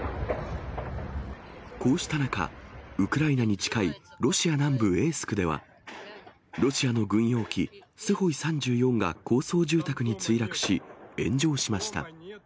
こうした中、ウクライナに近いロシア南部エイスクでは、ロシアの軍用機、スホイ３４が高層住宅に墜落し、炎上しました。